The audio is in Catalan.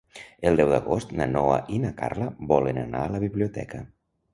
El deu d'agost na Noa i na Carla volen anar a la biblioteca.